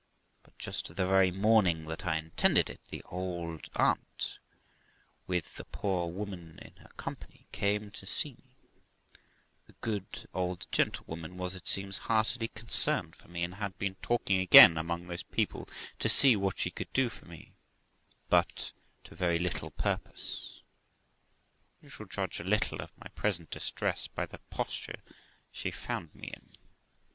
But, just the very morning that I intended it, the old aunt, with the poor woman in her company, came to see me; the good old gentle woman was, it seems, heartily concerned for me, and had been talking again among those people, to see what she could do for me, but to very little purpose. You shall judge a little of my present distress by the posture she found me in.